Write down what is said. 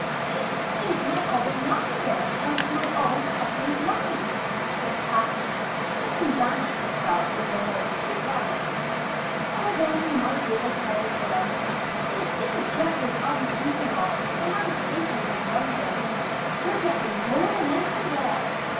"Is it my old lavender, and my old satin blouse?" said Kathleen, looking down at herself with a momentary glance. "Ah, then, my dear tired one, it isn't dresses I'll be thinking of when Aunt Katie is in London. She'll get me more than I can wear.